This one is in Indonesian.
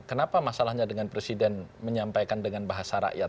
kenapa masalahnya dengan presiden menyampaikan dengan bahasa rakyat